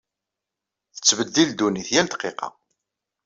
Tettbeddil ddunit yal dqiqa.